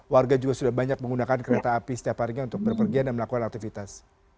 warga juga sudah banyak menggunakan kereta api setiap harinya untuk berpergian dan melakukan aktivitas